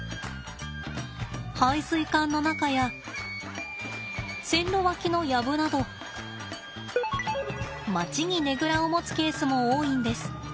排水管の中や線路脇の薮など町にねぐらを持つケースも多いんです。